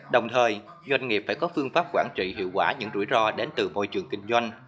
đồng thời doanh nghiệp phải có phương pháp quản trị hiệu quả những rủi ro đến từ môi trường kinh doanh